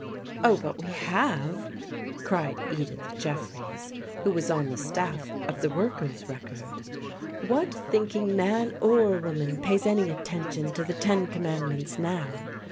" Oh, but we have," cried Edith Jeffreys, who was on the staff of the Workers' Record, "What thinking man or woman pays any attention to the Ten Com mandments now?